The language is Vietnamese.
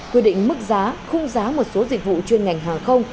quy định mức giá khung giá một số dịch vụ chuyên ngành hàng không